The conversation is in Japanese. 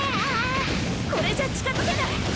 これじゃ近づけない！